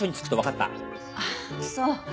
ああそう。